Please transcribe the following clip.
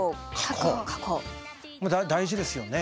大事ですよね。